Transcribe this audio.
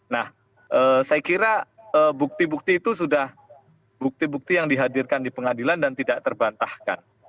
nah saya kira bukti bukti itu sudah bukti bukti yang dihadirkan di pengadilan dan tidak terbantahkan